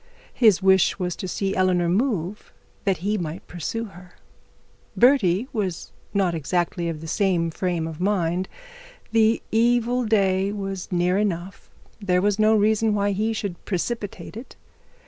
His wish was to see Eleanor move, that he might pursue her. Bertie was not exactly in the same frame of mind; the evil of the day was near enough; there was no reason why he should precipitate it.